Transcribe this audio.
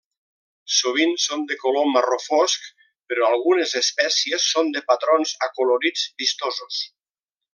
Sovint són de color marró fosc, però algunes espècies són de patrons acolorits vistosos.